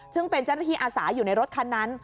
ซึ่งเป็นเจ้าหน้าที่อาสาอยู่ในรถคันนั้น